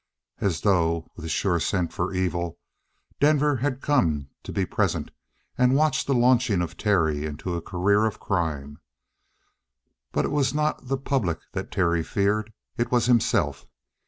As though, with sure scent for evil, Denver had come to be present and watch the launching of Terry into a career of crime. But it was not the public that Terry feared. It was himself.